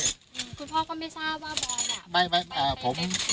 คุณพ่อก็ไม่ทราบว่าบอลล่ะ